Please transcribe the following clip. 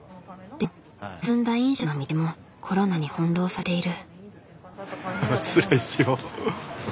でも進んだ飲食の道もコロナに翻弄されている。